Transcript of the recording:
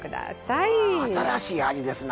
新しい味ですな